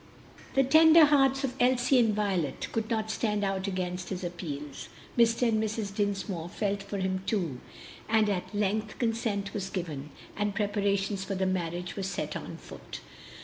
The tender hearts of Elsie and Violet could not stand out against his appeals. Mr. and Mrs. Dinsmore felt for him too, and at length consent was given, and preparations for the marriage were set on foot.